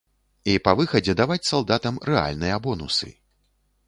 І па выхадзе даваць салдатам рэальныя бонусы.